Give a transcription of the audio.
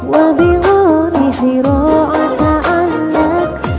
wabihun hirau ata alak